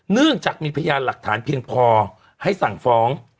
เนื่องจากมีพยานหลักฐานเพียงพอให้สั่งฟ้อง